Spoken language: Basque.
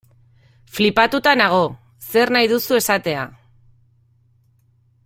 Flipatuta nago, zer nahi duzu esatea.